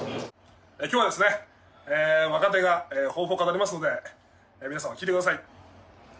今日はですね若手が抱負を語りますので皆様聞いて下さい。